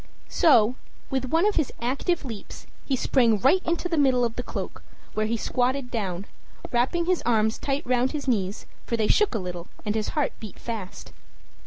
So, with one of his active leaps, he sprang right into the middle of the cloak, where he squatted down, wrapping his arms tight round his knees, for they shook a little and his heart beat fast.